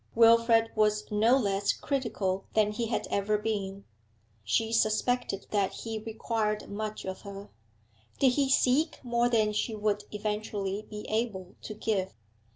Wilfrid was no less critical than he had ever been; she suspected that he required much of her. Did he seek more than she would eventually be able to give?